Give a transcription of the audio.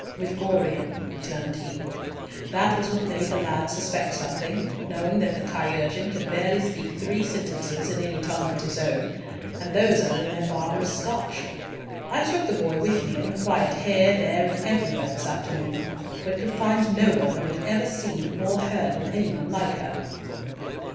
"With Gorion," returned he. "That was what made the lad suspect something, knowing that the chirurgeon can barely speak three sentences in any tongue but his own, and those are in their barbarous Scotch. I took the boy with me and inquired here, there, and everywhere this afternoon, but could find no one who had ever seen or heard of any one like her."